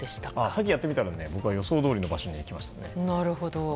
最近やってみたら予想どおりの場所に行きました。